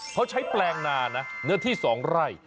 เขาใช้แปลงนานะเนื้อที่๒ไร่